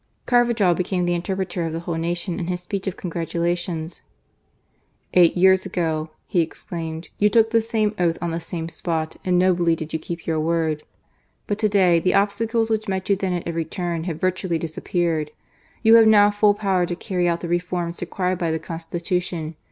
Carvajal became the interpreter of the whole nation in his speech of congratulation. "Eight years ago," he exclaimed, " you took the same oath on the same spot, and nobly did you keep your word. .•. But to day the obstacles which met you then at every turn have virtually disappeared. You have now full power to carry out the reforms required by the Constitution.